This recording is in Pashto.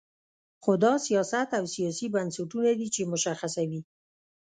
خو دا سیاست او سیاسي بنسټونه دي چې مشخصوي.